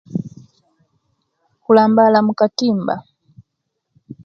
Kulambaala mukatimba .